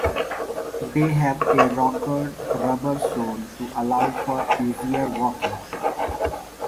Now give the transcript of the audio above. They have a rockered, rubber sole to allow for easier walking.